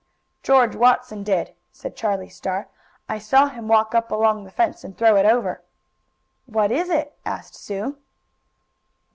"George Watson did," said Charlie Star. "I saw him walk up along the fence, and throw it over." "What is it?" asked Sue.